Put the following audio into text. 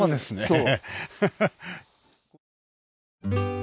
そう。